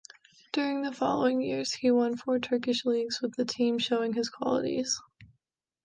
During the following years, he won four Turkish Leagues with the team, showing his qualities.